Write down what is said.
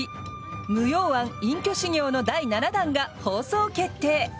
「無用庵隠居修行」の第７弾が放送決定。